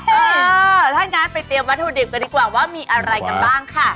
เออถ้างั้นไปเตรียมวัตถุดิบกันดีกว่าว่ามีอะไรกันบ้างค่ะ